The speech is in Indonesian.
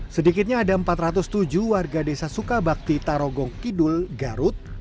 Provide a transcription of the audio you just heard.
sedikitnya ada empat ratus tujuh warga desa sukabakti tarogong kidul garut